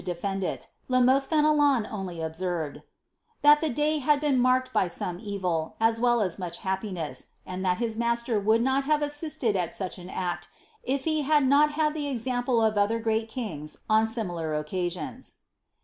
387 defend it, Li Mothe Fenelon only observed, " that the day had been marked by aonie evil, as well as much happiness; and that his master vould not have assisted at such an act, if he had not had the example of other great kings on similar occasions."